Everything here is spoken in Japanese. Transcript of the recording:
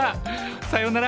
さようなら。